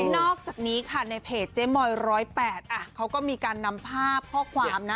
นอกจากนี้ค่ะในเพจเจ๊มอย๑๐๘เขาก็มีการนำภาพข้อความนะ